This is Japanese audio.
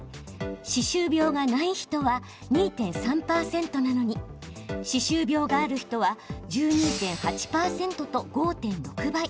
歯周病がない人は２．３％なのに歯周病がある人は１２．８％と５．６倍。